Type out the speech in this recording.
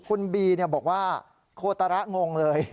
คุณบีบอกว่าโคตระงงเลย